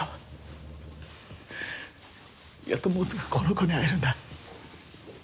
やっともうすぐこの子に会えるんだ。